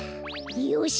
よし！